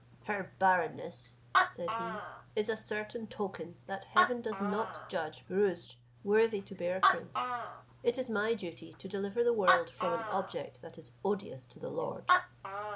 "Her barrenness," said he, "is a certain token that heaven does not judge Pirouzč worthy to bear a prince; it is my duty to deliver the world from an object that is odious to the Lord."